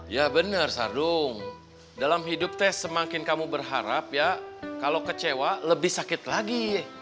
ya bener sardung dalam hidup semakin kamu berharap ya kalau kecewa lebih sakit lagi